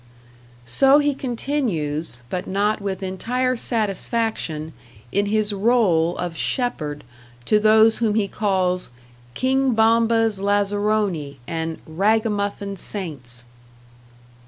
So he continues, but not with entire satisfaction, in his role of shepherd to those whom he calls "King Bomba's lazzaroni," and "ragamuffin saints."